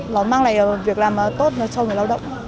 nó mang lại việc làm tốt cho người lao động